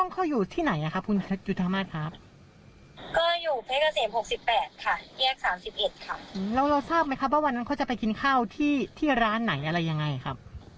ไปกินข้าวหาอะไรกินอะไรอย่างงี้ค่ะ